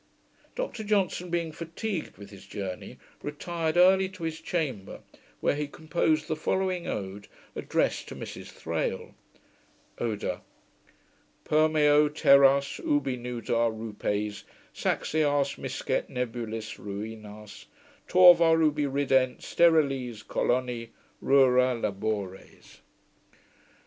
Dr Johnson being fatigued with his journey, retired early to his chamber, where he composed the following Ode, addressed to Mrs Thrale: Oda Permeo terras, ubi nuda rupes Saxeas miscet nebulis ruinas, Torva ubi rident steriles coloni Rura labores.